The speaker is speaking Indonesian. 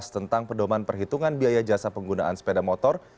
tentang pedoman perhitungan biaya jasa penggunaan sepeda motor